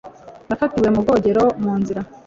Nafatiwe mu bwogero mu nzira.